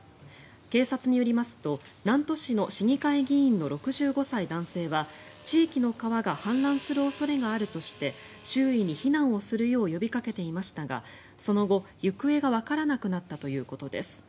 警察によりますと南砺市の市議会議員の６５歳男性は地域の川が氾濫する恐れがあるとして周囲に避難をするよう呼びかけていましたがその後、行方がわからなくなったということです。